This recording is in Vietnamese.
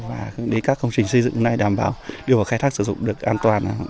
và để các công trình xây dựng này đảm bảo đều và khai thác sử dụng được an toàn